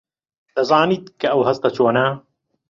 دەزانیت کە ئەو هەستە چۆنە؟